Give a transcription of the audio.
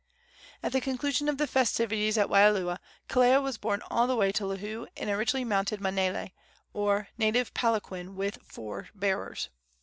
At the conclusion of the festivities at Waialua, Kelea was borne all the way to Lihue in a richly mounted manele, or native palanquin with four bearers.